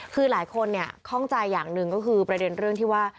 คือหลายคนคล่องใจอย่างหนึ่งก็คือประเด็นเรื่องที่ว่า